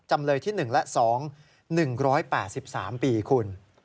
จำเลยที่หนึ่งและสอง๑๘๓ปีคุณ